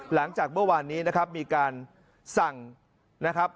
หลังจากเมื่อวานนี้นะครับมีการสั่งนะครับ